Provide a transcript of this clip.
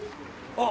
あっ！